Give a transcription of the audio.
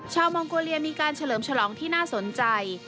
มองโกเลียมีการเฉลิมฉลองที่น่าสนใจ